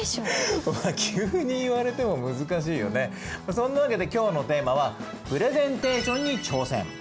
そんなわけで今日のテーマは「プレゼンテーションに挑戦」。